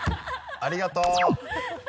ありがとう。